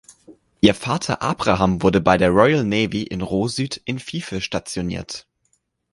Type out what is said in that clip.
Ihr Vater Abraham war bei der Royal Navy und in Rosyth in Fife stationiert.